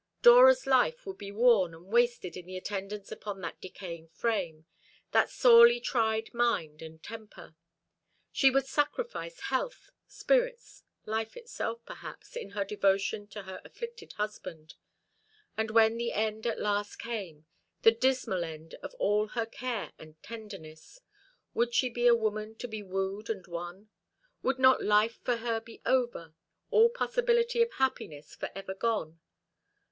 Dora's life would be worn and wasted in the attendance upon that decaying frame, that sorely tried mind and temper. She would sacrifice health, spirits, life itself, perhaps, in her devotion to her afflicted husband. And when the end at last came the dismal end of all her care and tenderness would she be a woman to be wooed and won? Would not life for her be over, all possibility of happiness for ever gone?